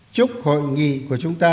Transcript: chúc hội nghị của chúng ta